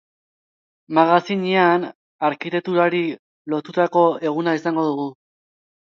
Magazinean, arkitekturari lotutako eguna izango dugu.